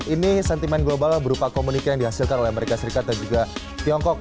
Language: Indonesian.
ini sentimen global berupa komunikasi yang dihasilkan oleh amerika serikat dan juga tiongkok